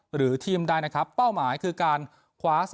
หรือทีมใดนะครับเป้าหมายคือการคว้า๓๐